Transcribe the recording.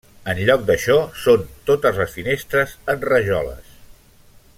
En lloc d'això són totes les finestres en rajoles.